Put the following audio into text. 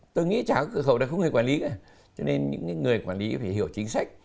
tôi nghĩ trả cửa khẩu là không người quản lý cả cho nên những người quản lý phải hiểu chính sách